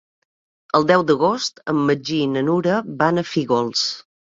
El deu d'agost en Magí i na Nura van a Fígols.